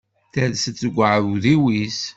Ters-d seg uɛudiw-is.